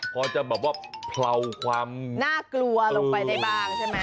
พอจะแบบว่าเผลาความน่ากลัวลงไปได้บ้างใช่ไหม